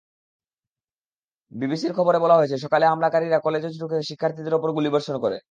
বিবিসির খবরে বলা হয়েছে, সকালে হামলাকারী কলেজে ঢুকে শিক্ষার্থীদের ওপর গুলিবর্ষণ করে।